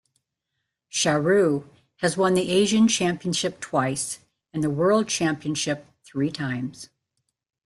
Chiharu has won the Asian championship twice and the world championships three times.